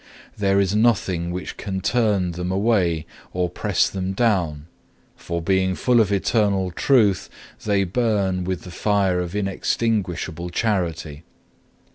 There is nothing which can turn them away or press them down; for being full of Eternal Truth, they burn with the fire of inextinguishable charity.